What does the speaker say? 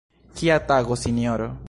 Kia tago, sinjoro!